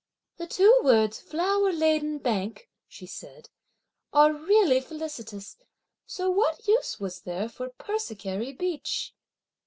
"The two words 'flower laden bank,'" she said, "are really felicitous, so what use was there for 'persicary beach?'"